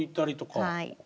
はい。